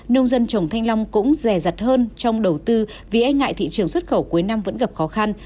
nông dân trồng thanh long cũng rẻ rặt hơn trong đầu tư vì anh ngại thị trường xuất khẩu cuối năm vẫn gặp khó khăn